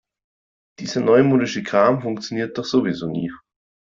Dieser neumodische Kram funktioniert doch sowieso nie.